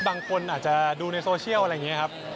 บางคนอาจจะดูในโซเชียลอะไรอย่างนี้ครับ